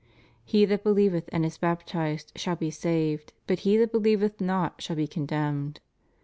He that believeth and is baptized shall be saved, but he that believeth not shall be condemned.